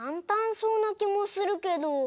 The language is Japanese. そうなきもするけど。